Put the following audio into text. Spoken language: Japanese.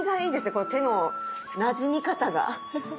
この手のなじみ方が。